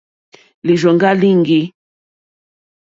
Lìrzòŋɡá líŋɡî.